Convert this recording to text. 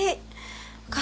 bisa jalan kemana mana